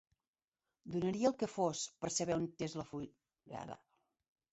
Donaria el que fos per saber on és la fuita.